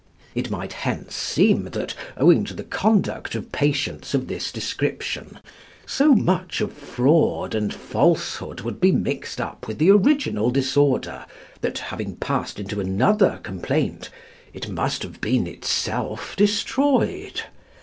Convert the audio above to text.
It might hence seem that, owing to the conduct of patients of this description, so much of fraud and falsehood would be mixed up with the original disorder that, having passed into another complaint, it must have been itself destroyed.